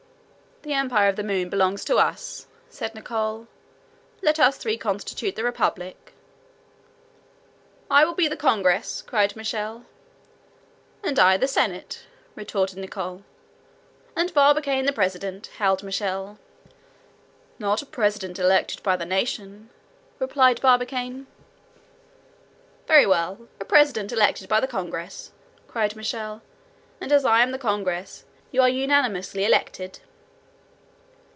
"The empire of the moon belongs to us," said Nicholl. "Let us three constitute the republic." "I will be the congress," cried Michel. "And I the senate," retorted Nicholl. "And Barbicane, the president," howled Michel. "Not a president elected by the nation," replied Barbicane. "Very well, a president elected by the congress," cried Michel; "and as I am the congress, you are unanimously elected!"